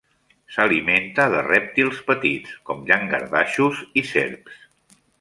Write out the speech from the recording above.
S'alimenta de rèptils petits, com llangardaixos i serps.